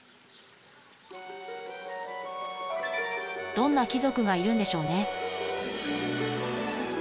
どんな貴族がいるんでしょうね